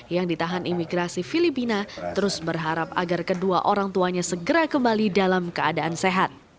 yang ditahan imigrasi filipina terus berharap agar kedua orang tuanya segera kembali dalam keadaan sehat